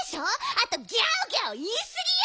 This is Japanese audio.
あとギャオギャオいいすぎよ！